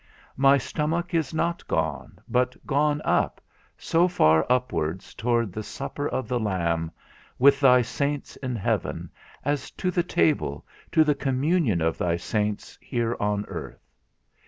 My stomach is not gone, but gone up, so far upwards toward the supper of the Lamb, with thy saints in heaven, as to the table, to the communion of thy saints here in earth.